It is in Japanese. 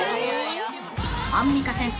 ［アンミカ先生